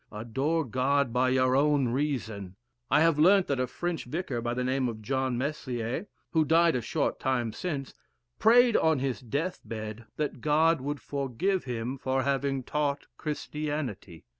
adore God by your own reason.... I have learnt that a French Vicar, of the name of John Meslier, who died a short time since, prayed on his death bed that God would forgive him for having taught Christianity.